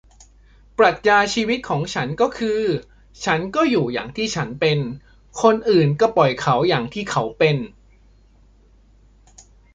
ปรัชญาชีวิตของฉันก็คือ ฉันก็อยู่อย่างที่ฉันเป็น คนอื่นก็ปล่อยเขาอย่างที่เขาเป็น